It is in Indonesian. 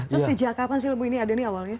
terus sejak kapan sih ibu ini ada nih awalnya